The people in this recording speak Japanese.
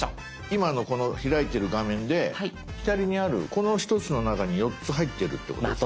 今のこの開いてる画面で左にあるこの１つの中に４つ入ってるってことですか？